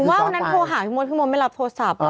ผมว่าวันนั้นครัวหาพี่มนตร์ไม่รับโทรศัพท์